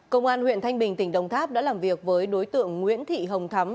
công an huyện thanh bình tỉnh đồng tháp đã làm việc với đối tượng nguyễn thị hồng thắm